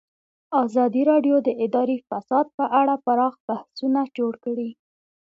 ازادي راډیو د اداري فساد په اړه پراخ بحثونه جوړ کړي.